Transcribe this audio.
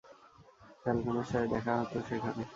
ফ্যালকোনের সাথে দেখা হত সেখানে।